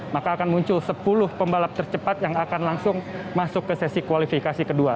maka akan muncul sepuluh pembalap tercepat yang akan langsung masuk ke sesi kualifikasi kedua